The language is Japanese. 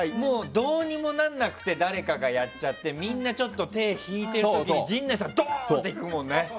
どうにもならなくて誰かがやっちゃってみんなちょっと手を引いてる時に陣内さんがドーンといくもんね。